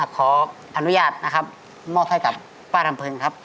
ขออนุญาตนะครับมอบให้กับป้าลำเพิงครับ